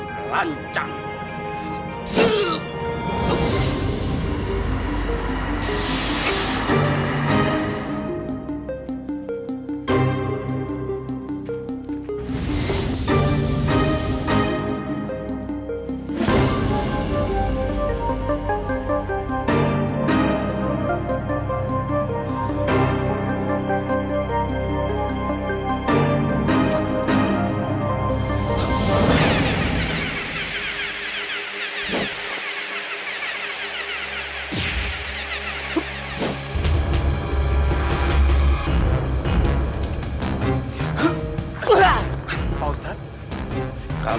telah membantu ustaz muarif